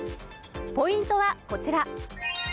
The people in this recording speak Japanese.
ポイントはこちら。